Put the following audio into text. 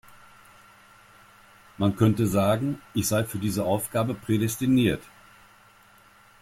Man könnte sagen, ich sei für diese Aufgabe prädestiniert.